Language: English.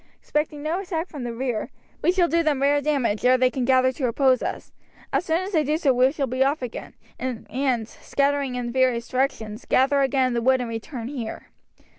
Expecting no attack from the rear, we shall do them rare damage ere they can gather to oppose us. As soon as they do so we shall be off again, and, scattering in various directions, gather again in the wood and return here."